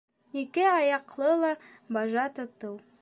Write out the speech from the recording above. Ике аяҡлыла бажа татыу